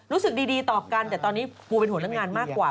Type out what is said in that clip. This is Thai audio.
รู้สึกดีต่อกันแต่ตอนนี้ปูเป็นหัวหนังงานมากกว่า